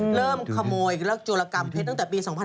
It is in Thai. เริ่มขโมยแล้วก็โจรกรรมเพชรตั้งแต่ปี๒๕๒๗